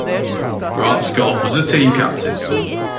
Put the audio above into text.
Grant Scott was the team captain.